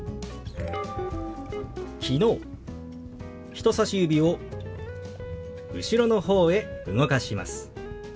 人さし指を後ろの方へ動かします。